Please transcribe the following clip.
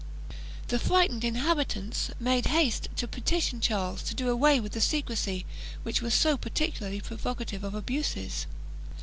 The frightened inhabitants made haste to petition Charles to do away with the secrecy which was so peculiarly provocative of abuses.